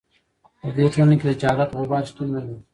په دې ټولنه کې د جهالت غبار شتون نه لري.